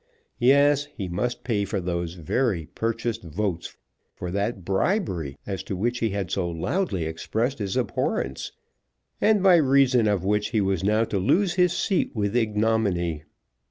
Yes; he must pay for those very purchased votes, for that bribery, as to which he had so loudly expressed his abhorrence, and by reason of which he was now to lose his seat with ignominy.